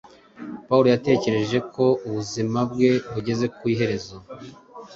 Pawulo yatekereje ko ubuzima bwe bugeze ku iherezo.